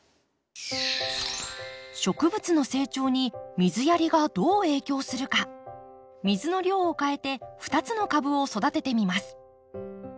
植物の成長に水やりがどう影響するか水の量を変えて２つの株を育ててみます。